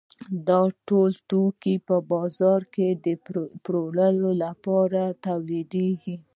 دا ټول توکي په بازار کې د پلورلو لپاره تولیدېږي